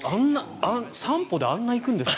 ３歩であんなに行くんですね。